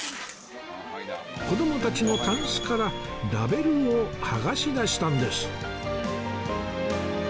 子どもたちのたんすからラベルを剥がしだしたんです